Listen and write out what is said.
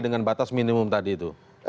dengan batas minimum tadi itu